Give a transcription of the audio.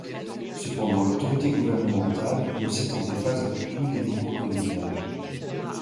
Cependant, l'autorité gouvernementale ne s'étendait pas à tous les niveaux dans les villages.